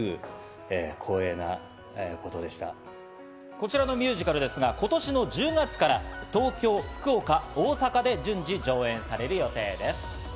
こちらのミュージカル、今年の１０月から東京、福岡、大阪で順次上演される予定です。